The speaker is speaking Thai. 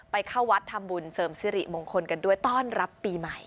เข้าวัดทำบุญเสริมสิริมงคลกันด้วยต้อนรับปีใหม่